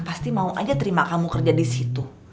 pasti mau aja terima kamu kerja disitu